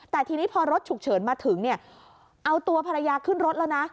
แต่ทีนี้พอรถฉุกเฉินมาถึงเนี่ยเอาตัวภรรยาขึ้นรถแล้วนะ